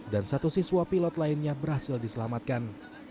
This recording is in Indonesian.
dan satu siswa pilot lainnya berhasil diselamatkan